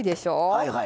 はいはい。